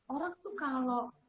orang itu kalau